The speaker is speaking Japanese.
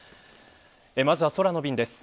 まずは空の便です。